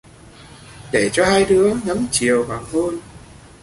Để cho hai đứa ngắm chiều hoàng hôn